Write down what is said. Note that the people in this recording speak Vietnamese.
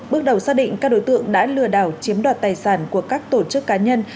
bước đầu xác định các đối tượng đã lừa đảo chiếm đoạt tài sản của các tổ chức cá nhân